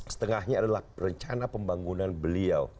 setengahnya adalah rencana pembangunan beliau